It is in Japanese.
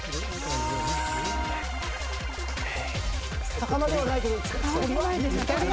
魚ではないけど鳥は？